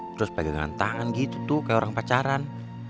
terus pegangan tangan gitu tuh kayak orang pacaran